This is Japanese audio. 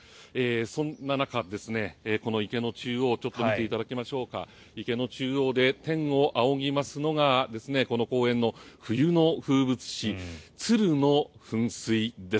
そんな中この池の中央をちょっと見ていただきましょうか池の中央で天を仰ぎますのがこの公園の冬の風物詩ツルの噴水です。